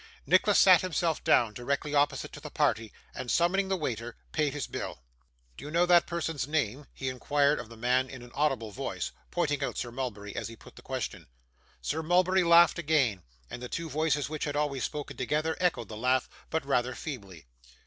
Nicholas sat himself down, directly opposite to the party, and, summoning the waiter, paid his bill. 'Do you know that person's name?' he inquired of the man in an audible voice; pointing out Sir Mulberry as he put the question. Sir Mulberry laughed again, and the two voices which had always spoken together, echoed the laugh; but rather feebly.